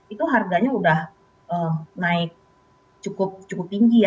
itu harganya sudah naik cukup tinggi ya dibandingkan dengan yang pekan pekan sebelumnya